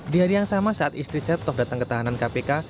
di hari yang sama saat istri setnov datang ke tahanan kpk